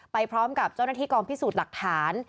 ไปพร้อมกับเจ้าหน้าที่กองพิสูจน์หลักฐาน